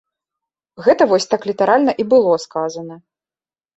Гэта вось так літаральна і было сказана.